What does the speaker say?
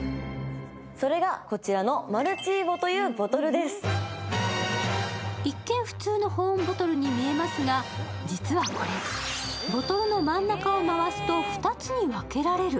第３位の発表の前に一見普通の保温ボトルに見えますが、実はこれ、ボトルの真ん中を回すと２つに分けられる。